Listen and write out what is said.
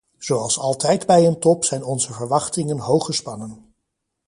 Zoals altijd bij een top zijn onze verwachtingen hooggespannen.